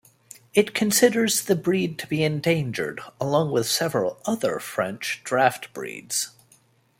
It considers the breed to be endangered, along with several other French draft breeds.